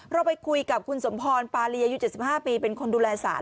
เราไปคุยกับคุณสมพรปารีอายุ๗๕ปีเป็นคนดูแลสาร